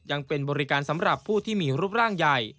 ยังเป็นบริการสำหรับผู้ที่มีรูปร่างใหญ่